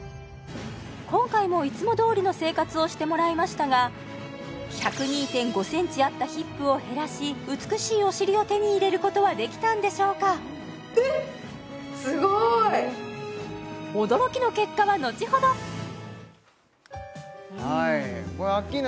今回もいつもどおりの生活をしてもらいましたが１０２．５センチあったヒップを減らし美しいお尻を手に入れることはできたんでしょうか驚きのはいこれアッキーナ